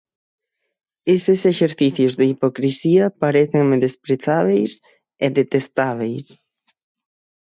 Eses exercicios de hipocrisía parécenme desprezábeis e detestábeis.